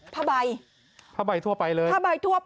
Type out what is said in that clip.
ผ้าใบทั่วไปเลย